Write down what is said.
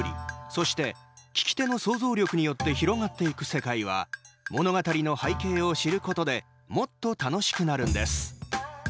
そして、聴き手の想像力によって広がっていく世界は物語の背景を知ることでもっと楽しくなるんです。